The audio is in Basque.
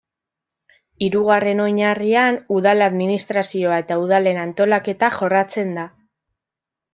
Hirugarren oinarrian udal administrazioa eta udalen antolaketa jorratzen da.